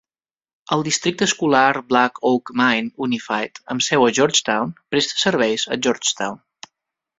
El districte escolar Black Oak Mine Unified, amb seu a Georgetown, presta serveis a Georgetown.